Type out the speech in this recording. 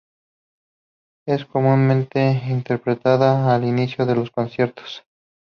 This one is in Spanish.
Es comúnmente interpretada al inicio de los conciertos.